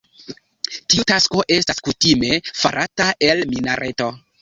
Tiu tasko estas kutime farata el minareto.